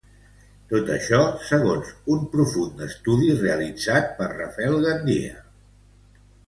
Tot això segons un profund estudi realitzat per Rafael Gandia.